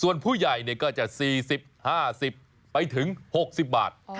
ส่วนผู้ใหญ่ก็จะ๔๐๕๐ไปถึง๖๐บาท